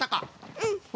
うん。